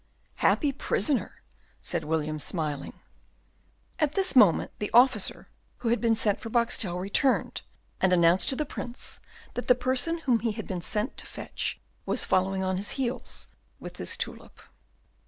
"Happy prisoner!" said William, smiling. At this moment the officer who had been sent for Boxtel returned, and announced to the Prince that the person whom he had been to fetch was following on his heels with his tulip.